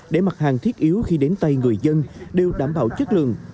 để mặt hàng thiết yếu khi đến tay người dân đều đảm bảo chất lượng